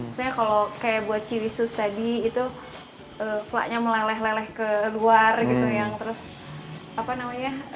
misalnya kalau kayak buat chihwisu tadi itu vlaknya meleleh leleh ke luar gitu